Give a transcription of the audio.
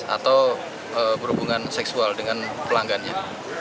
atau berhubungan seksual dengan pelanggannya